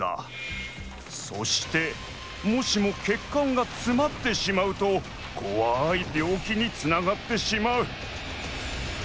そしてもしもけっかんがつまってしまうとこわいびょうきにつながってしまう。